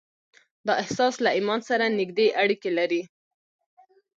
دا احساس له ايمان سره نږدې اړيکې لري.